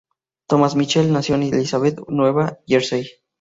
Thomas Mitchell nació en Elizabeth, Nueva Jersey.